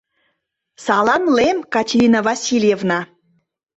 — Саламлем, Катерина Васильевна!